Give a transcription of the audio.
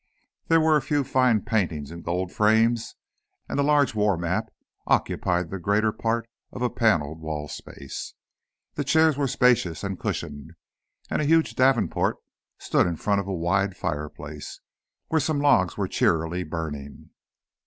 There were a few fine paintings in gold frames and the large war map occupied the greater part of a paneled wall space. The chairs were spacious and cushioned, and a huge davenport stood in front of a wide fireplace, where some logs were cheerily burning.